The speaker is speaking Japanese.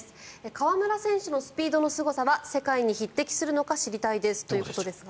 河村選手のスピードのすごさは世界に匹敵するのか知りたいですということですが。